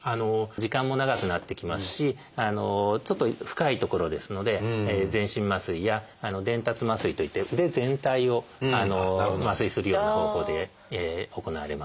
時間も長くなってきますしちょっと深い所ですので全身麻酔や「伝達麻酔」といって腕全体を麻酔するような方法で行われます。